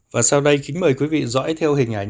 và sau đây kính mời quý vị dõi theo hình ảnh